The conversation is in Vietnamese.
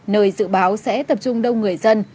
nơi dự báo sẽ tập trung đông người dân